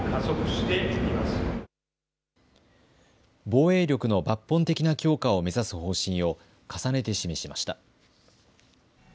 防衛力の抜本的な強化を目指す方針を重ねて示しました。